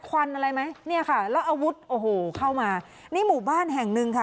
ควันอะไรไหมเนี่ยค่ะแล้วอาวุธโอ้โหเข้ามานี่หมู่บ้านแห่งหนึ่งค่ะ